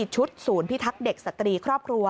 ชุดศูนย์พิทักษ์เด็กสตรีครอบครัว